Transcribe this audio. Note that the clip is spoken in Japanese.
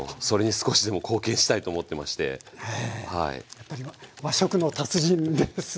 やっぱり和食の達人ですね。